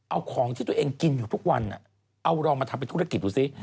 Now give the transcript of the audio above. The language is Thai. เอาของที่ตัวเองกินอยู่ทุกวันเอาลองมาทำเป็นธุรกิจดูสิ